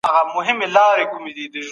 کله چي الله ج ادم ع پيدا کړ نو علم يې ورکړ.